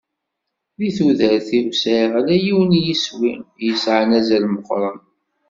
Deg tudert-iw sɛiɣ ala yiwen n yiswi i yesɛan azal meqqren.